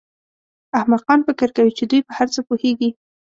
احمقان فکر کوي چې دوی په هر څه پوهېږي.